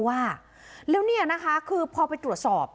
ว่าแล้วเนี่ยนะคะคือพอไปตรวจสอบ